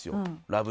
『ラブ！！